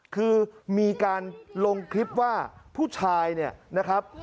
คือมีการลงคลิปว่าผู้ชายเนี่ยนะครับ